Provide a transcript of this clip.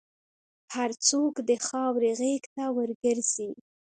هر څوک د خاورې غېږ ته ورګرځي.